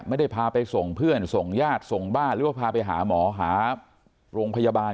ไม่ได้พาไปส่งเพื่อนส่งญาติส่งบ้านหรือว่าพาไปหาหมอหาโรงพยาบาล